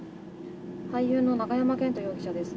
俳優の永山絢斗容疑者です。